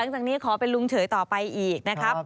จากนี้ขอเป็นลุงเฉยต่อไปอีกนะครับ